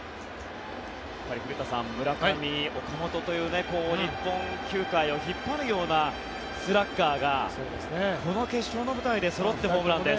古田さん、村上、岡本という日本球界を引っ張るようなスラッガーがこの決勝の舞台でそろってホームランです。